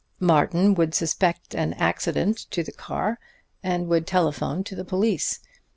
Martin would suspect an accident to the car, and would telephone to the police.